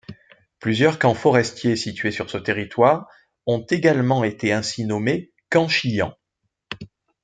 Plusieurs camps forestiers situés sur ce territoire ont également été ainsi nommés Camp Schyan.